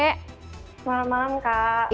selamat malam kak